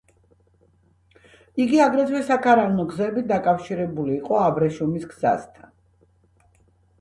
იგი აგრეთვე საქარავნო გზებით დაკავშირებული იყო აბრეშუმის გზასთან.